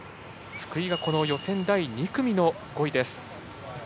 福井が予選第２組の５位です。